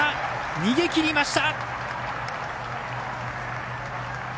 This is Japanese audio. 逃げきりました！